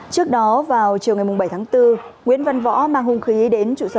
trước đó vào chiều ngày bảy tháng bốn nguyễn văn võ mang hùng khí đến trụ sở